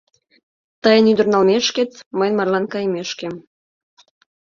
Тыйын ӱдыр налмешкет, мыйын марлан кайымешкем